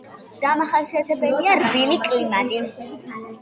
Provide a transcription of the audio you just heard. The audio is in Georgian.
დამახასიათებელია რბილი კლიმატი.